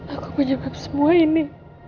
aku menyebabkan semua ini